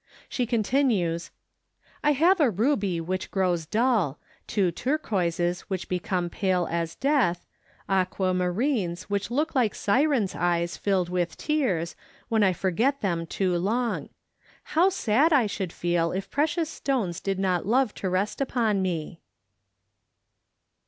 She continues: I have a ruby which grows dull, two turquoises which become pale as death, aquamarines which look like siren's eyes filled with tears, when I forget them too long. How sad I should feel if precious stones did not love to rest upon me!